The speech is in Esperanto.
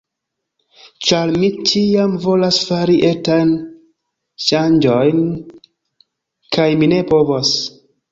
Ĉar mi ĉiam volas fari etajn ŝanĝojn, kaj mi ne povas